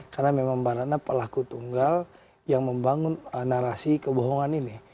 karena memang baratna pelaku tunggal yang membangun narasi kebohongan ini